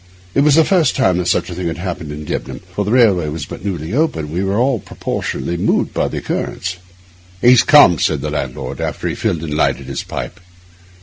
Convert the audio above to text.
It was the first time that such a thing had happened in Debenham, for the railway was but newly open, and we were all proportionately moved by the occurrence. 'He's come,' said the landlord, after he had filled and lighted his pipe.